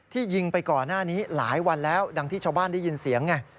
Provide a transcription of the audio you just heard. ยิงไปก่อนหน้านี้หลายวันแล้วดังที่ชาวบ้านได้ยินเสียงไง